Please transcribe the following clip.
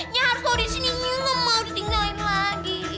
nyaa harus lo disini nyuu gak mau ditinggalin lagi